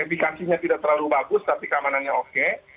edikasinya tidak terlalu bagus tapi keamanannya oke